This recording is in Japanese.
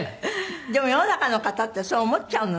でも世の中の方ってそう思っちゃうのね。